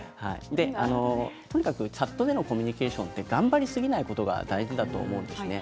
チャットでのコミュニケーション頑張りすぎないことが大事だと思うんです。